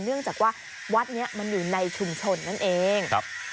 เนื่องจากว่าวัดนี้มันอยู่ในชุมชนนั่นเอง